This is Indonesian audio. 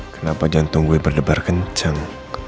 kenapa jantung gue berdebar kencang